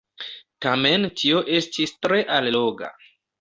Tamen tio estis tre alloga!